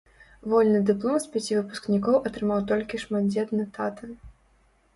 Вольны дыплом з пяці выпускнікоў атрымаў толькі шматдзетны тата.